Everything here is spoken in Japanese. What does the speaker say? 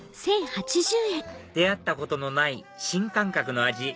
出会ったことのない新感覚の味